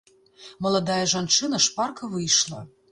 Маладая жанчына шпарка выйшла.